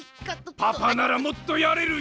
パパならもっとやれるよ！